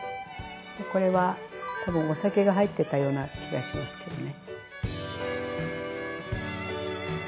これは多分お酒が入ってたような気がしますけどね。